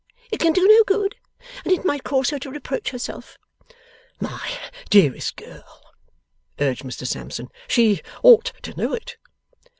It can do no good, and it might cause her to reproach herself.' 'My dearest girl,' urged Mr Sampson, 'she ought to know it.